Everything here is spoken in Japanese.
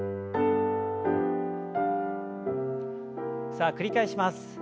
さあ繰り返します。